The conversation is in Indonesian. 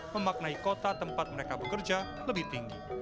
memaknai kota tempat mereka bekerja lebih tinggi